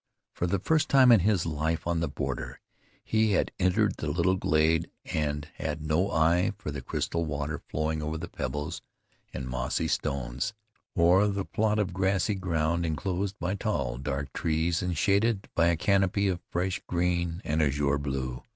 For the first time in his life on the border he had entered the little glade and had no eye for the crystal water flowing over the pebbles and mossy stones, or the plot of grassy ground inclosed by tall, dark trees and shaded by a canopy of fresh green and azure blue.